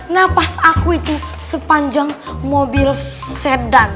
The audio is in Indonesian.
nafas aku itu sepanjang mobil sedan